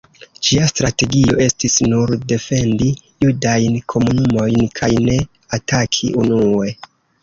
Ĝia strategio estis nur defendi judajn komunumojn kaj ne ataki unue.